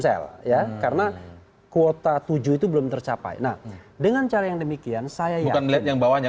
sel ya karena kuota tujuh itu belum tercapai nah dengan cara yang demikian saya juga melihat yang bawahnya